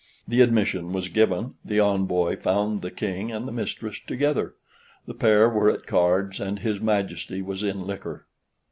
The admission was given, the envoy found the King and the mistress together; the pair were at cards and his Majesty was in liquor.